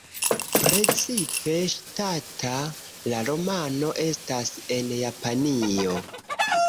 Precipe ŝatata la romano estas en Japanio.